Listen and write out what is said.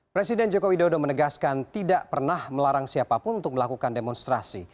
presiden joko widodo menegaskan tidak pernah melarang siapapun untuk melakukan demonstrasi